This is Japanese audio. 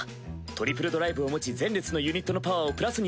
トリプルドライブを持ち前列のユニットのパワーをプラス２０００する。